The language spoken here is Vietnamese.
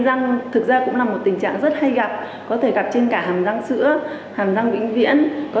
răng thực ra cũng là một tình trạng rất hay gặp có thể gặp trên cả hàm răng sữa hàm răng vĩnh viễn có